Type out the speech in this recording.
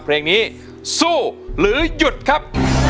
เพลงนี้สู้หรือหยุดครับ